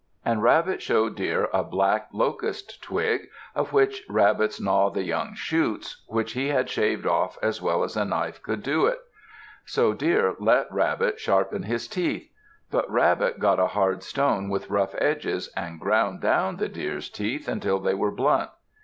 And Rabbit showed Deer a black locust twig, of which rabbits gnaw the young shoots, which he had shaved off as well as a knife could do it. So Deer let Rabbit sharpen his teeth. But Rabbit got a hard stone with rough edges and ground down the Deer's teeth until they were blunt.